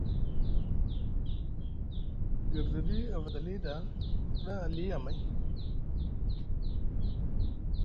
Girdiɗi a vada li ɗa, ku rɗa ali amay,